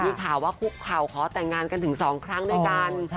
มีข่าวว่าคุกเข่าขอแต่งงานกันถึง๒ครั้งด้วยกัน